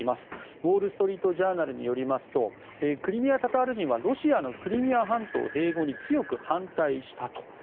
ウォール・ストリート・ジャーナルによりますとクリミア・タタール人はロシアのクリミア半島併合に強く反対したと。